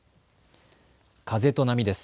風と波です。